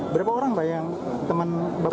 berapa orang pak yang teman bapak